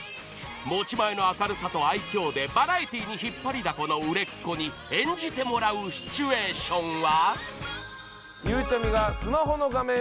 ［持ち前の明るさと愛嬌でバラエティーに引っ張りだこの売れっ子に演じてもらうシチュエーションは？］